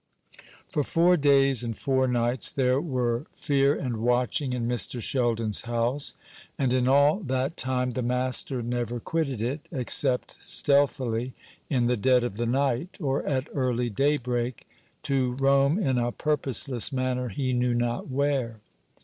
For four days and four nights there were fear and watching in Mr. Sheldon's house; and in all that time the master never quitted it, except stealthily, in the dead of the night, or at early daybreak, to roam in a purposeless manner he knew not where.